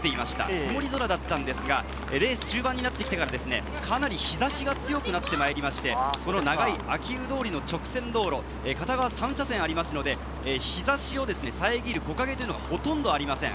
曇り空だったんですが、レース中盤になってから、かなり日差しが強くなってまいりまして、この長い秋保通の直線道路、片側３車線ありますので、日差しを遮る木陰というのがほとんどありません。